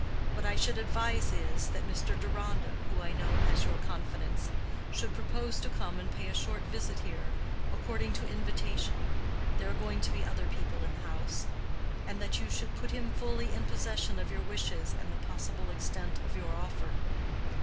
What I should advise is, that Mr. Deronda, who I know has your confidence, should propose to come and pay a short visit here, according to invitation (there are going to be other people in the house), and that you should put him fully in possession of your wishes and the possible extent of your offer.